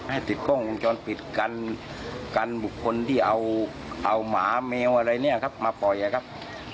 ให้ติดกล้องปิดกันบุคคลที่เอาหมาแมวอะไรนี่มาปล่อยครับ